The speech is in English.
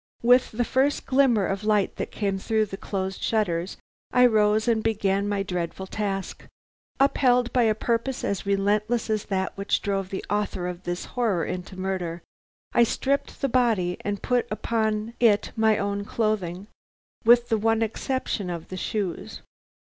"With the first glimmer of light that came through the closed shutters I rose and began my dreadful task. Upheld by a purpose as relentless as that which drove the author of this horror into murder, I stripped the body and put upon it my own clothing, with the one exception of the shoes.